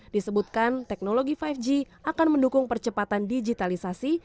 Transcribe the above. disebutkan teknologi lima g akan mendukung percepatan digitalisasi